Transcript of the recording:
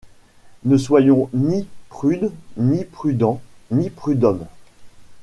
Ne soyons ni prudes, ni prudents, ni prud’hommes.